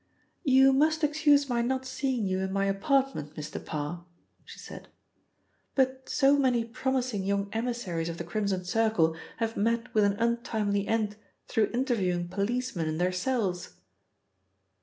"You must excuse my not seeing you in my apartment, Mr. Parr," she said, "But so many promising young emissaries of the Crimson Circle have met with an untimely end through interviewing policemen in their cells."